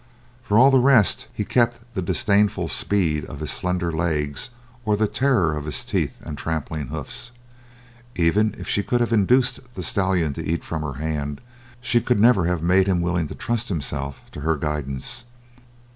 For all the rest he kept the disdainful speed of his slender legs or the terror of his teeth and trampling hoofs. Even if she could have induced the stallion to eat from her hand she could never have made him willing to trust himself to her guidance.